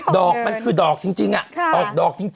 อกมันคือดอกจริงออกดอกจริง